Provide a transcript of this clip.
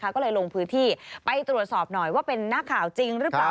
ก็เลยลงพื้นที่ไปตรวจสอบหน่อยว่าเป็นนักข่าวจริงหรือเปล่า